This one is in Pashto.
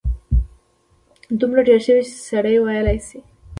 دومره ډېر شوي چې سړی ویلای شي.